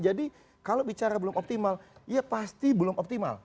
jadi kalau bicara belum optimal ya pasti belum optimal